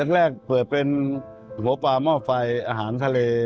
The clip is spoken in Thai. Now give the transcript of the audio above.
แรกเปิดเป็นหัวปลาหม้อไฟอาหารทะเล